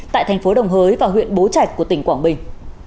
tại tp đồng hới và huyện bố trạch của tỉnh quảng bình